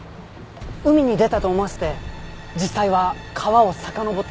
海に出たと思わせて実際は川をさかのぼっていたんです。